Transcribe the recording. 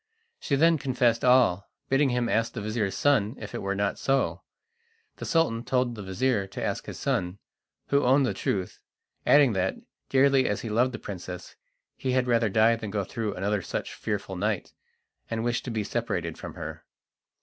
She then confessed all, bidding him ask the vizir's son if it were not so. The Sultan told the vizir to ask his son, who owned the truth, adding that, dearly as he loved the princess, he had rather die than go through another such fearful night, and wished to be separated from her.